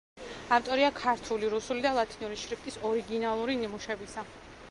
ავტორია ქართული, რუსული და ლათინური შრიფტის ორიგინალური ნიმუშებისა.